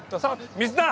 水だ！